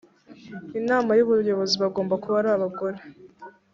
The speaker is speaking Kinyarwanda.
inama y ubuyobozi bagomba kuba ari abagore